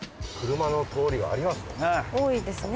車の通りがありますね。